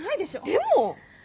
でも。